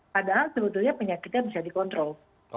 padahal sebetulnya penyakitnya bisa dikontrol